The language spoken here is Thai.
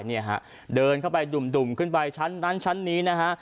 เนี่ยฮะเดินเข้าไปดุ่มขึ้นไปชั้นนั้นชั้นนี้นะฮะ